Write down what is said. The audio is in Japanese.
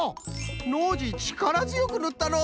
ノージーちからづよくぬったのう！